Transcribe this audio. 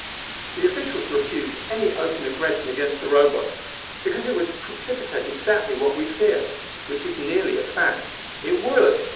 The officials refuse any open aggression against the Robots, because it would precipitate exactly what we fear which is nearly a fact: it would.